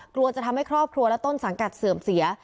กลัวจะทำให้ครอบครัวและต้นสังกัดเสื่อมเสีย